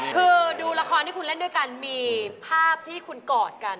คือดูละครที่คุณเล่นด้วยกันมีภาพที่คุณกอดกัน